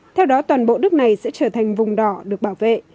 theo đó toàn bộ đất này sẽ trở thành vùng đỏ được bảo vệ